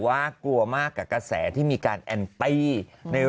มันได้แสนนึงไอ้บ้า